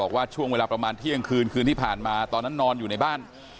ว่าช่วงเวลาประมาณเที่ยงคืนคืนที่ผ่านมาตอนนั้นนอนอยู่ในบ้าน